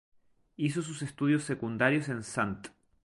Hizo sus estudios secundarios en St.